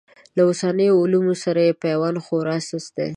له اوسنیو علومو سره یې پیوند خورا سست دی.